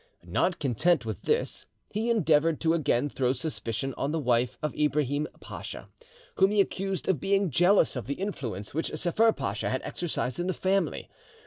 Not content with this, he endeavoured to again throw suspicion on the wife of Ibrahim Pacha, whom he accused of being jealous of the influence which Sepher Pacha had exercised in the family.